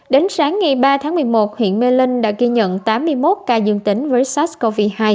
đến sáng ngày ba tháng một mươi một huyện mê linh đã ghi nhận tám mươi một ca dương tính với sars cov hai